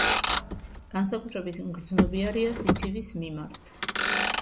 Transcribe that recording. განსაკუთრებით მგრძნობიარეა სიცივის მიმართ.